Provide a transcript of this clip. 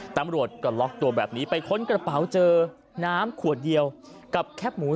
ตำรวจก็ล็อกตัวแบบนี้ไปค้นกระเป๋าเจอน้ำขวดเดียวกับแคบหมู